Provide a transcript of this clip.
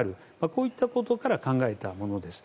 こういったことから考えたものです。